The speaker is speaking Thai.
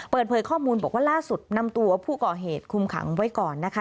เปิดเผยข้อมูลบอกว่าล่าสุดนำตัวผู้ก่อเหตุคุมขังไว้ก่อนนะคะ